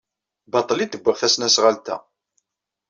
Baṭel ay d-wwiɣ tasnasɣalt-a.